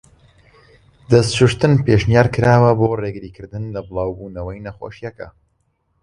دەست شووشتن پێشنیارکراوە بۆ ڕێگری کردن لە بڵاو بوونەوەی نەخۆشیەکە.